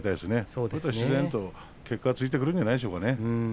そうすると自然に結果はついてくるんじゃないでしょうかね。